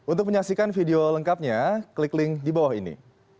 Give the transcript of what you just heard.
untuk menyaksikan video lengkapnya klik link di bawah ini